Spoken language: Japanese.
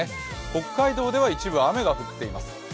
北海道では一部、雨が降っています。